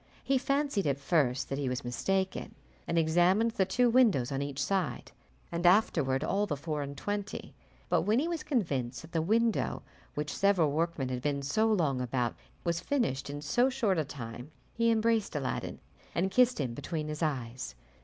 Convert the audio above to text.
He fancied at first that he was mistaken, and examined the two windows on each side, and afterward all the four and twenty; but when he was convinced that the window which several workmen had been so long about was finished in so short a time, he embraced Aladdin and kissed him between his eyes.